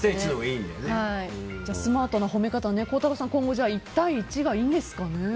スマートな褒め方孝太郎さん、今後１対１がいいんですかね。